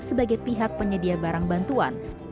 sebagai pihak penyedia barang bantuan